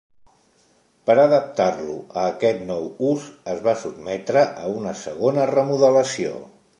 Per adaptar-lo a aquest nou ús, es va sotmetre a una segona remodelació.